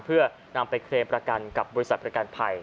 เพื่อนำไปเคลมประกันกับบริษัทภัณฑ์รากการภัย